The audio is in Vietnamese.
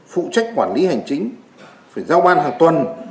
phụ trách quản lý hành chính phải giao ban hàng tuần